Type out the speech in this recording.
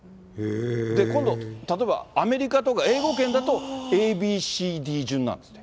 今度、例えばアメリカとか英語圏だと、ＡＢＣＤ順なんですって。